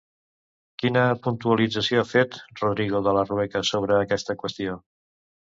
Quina puntualització ha fet, Rodrigo de Larrueca, sobre aquesta qüestió?